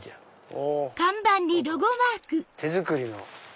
お何か手作りの。